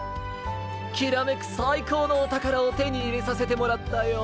きらめくさいこうのおたからをてにいれさせてもらったよ。